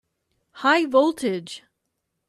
High voltage!